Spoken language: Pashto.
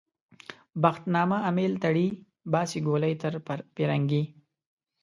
بخت نامه امېل تړي - باسي ګولۍ تر پرنګي